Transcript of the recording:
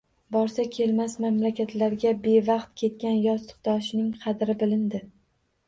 Borsa kelmas mamlakatga bevaqt ketgan yostikdoshining qadri bilindi